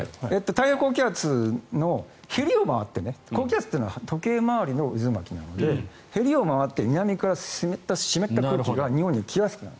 太平洋高気圧のへりを回って高気圧というのは渦巻きなのでへりを回って南から湿った空気が日本に来やすくなる。